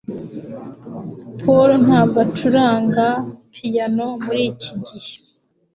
paul ntabwo acuranga piyano muri iki gihe